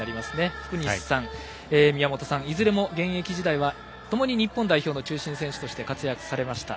福西さん、宮本さん、いずれも現役時代はともに日本代表中心選手として活躍されました、